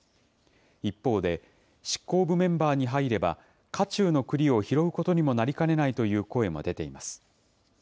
一方で、執行部メンバーに入れば火中のくりを拾うことにもなりかねないという声も出ています。